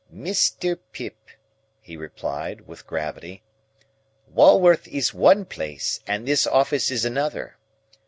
"Mr. Pip," he replied, with gravity, "Walworth is one place, and this office is another.